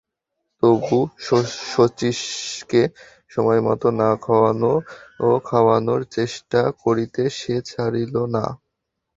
তবু শচীশকে সময়মত নাওয়ানো-খাওয়ানোর চেষ্টা করিতে সে ছাড়িত না।